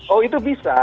oh itu bisa